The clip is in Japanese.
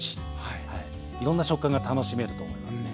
いろんな食感が楽しめると思いますね。